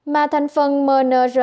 mà thành phần mnra không có nguy cơ trên